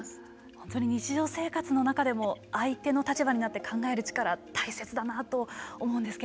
本当に日常生活の中でも相手の立場になって考える力大切だなと思うんですけれども。